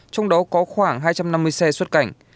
trong đó có khoảng hai trăm năm mươi xe xuất cảnh